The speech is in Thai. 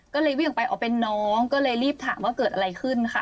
ก็เลยวิ่งออกไปอ๋อเป็นน้องก็เลยรีบถามว่าเกิดอะไรขึ้นค่ะ